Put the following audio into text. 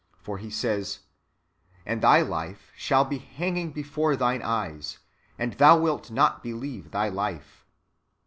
For he says, " And thy life shall be hanging before thine eyes, and thou wait not believe thy life."